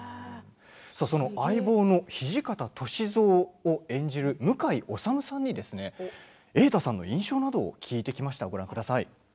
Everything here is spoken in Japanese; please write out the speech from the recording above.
相棒の土方歳三を演じる向井理さんに瑛太さんの印象などを聞いてきました。